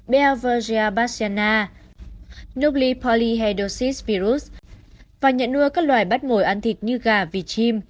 belvergia bassiana nucleopoleidosis virus và nhận nua các loài bắt mồi ăn thịt như gà vịt chim